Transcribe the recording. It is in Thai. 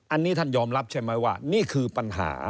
อันนี้ท่านยอมรับใช่ไหมว่านี่คือปัญหา